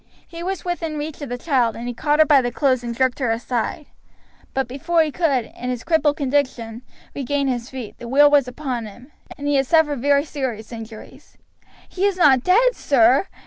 He was within reach of the child, and he caught her by the clothes and jerked her aside; but before he could, in his crippled condition, regain his feet, the wheel was upon him, and he has suffered very serious injuries." "He is not dead, sir?"